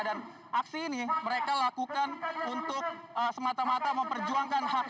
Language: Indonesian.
dan aksi ini mereka lakukan untuk semata mata memperjuangkan hak hak rakyat